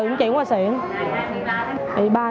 bác sĩ nói chuyện quá xuyên